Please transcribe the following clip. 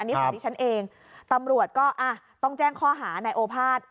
อันนี้แหละที่ฉันเองตำรวจก็อ่ะต้องแจ้งข้อหาในโอภาษณ์